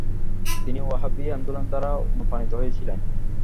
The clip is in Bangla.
তিনি ওয়াহাবি আন্দোলন দ্বারা অনুপ্রাাণিত হয়েছিলেন ।